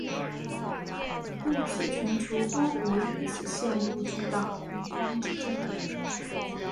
故此全球多国因此陷入巨大恐慌之中。